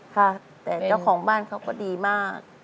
ค่ะแต่เจ้าของบ้านเขาก็ดีมาก